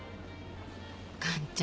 完ちゃん。